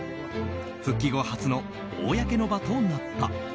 復帰後初の公の場となった。